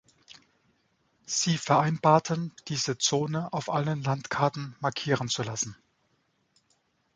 Sie vereinbarten, diese Zone auf allen Landkarten markieren zu lassen.